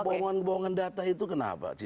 kebohongan kebohongan data itu kenapa